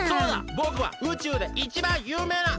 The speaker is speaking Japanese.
ぼくは宇宙でいちばんゆうめいな王子！